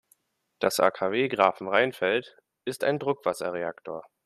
Das AKW Grafenrheinfeld ist ein Druckwasserreaktor.